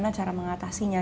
gimana cara mengatasinya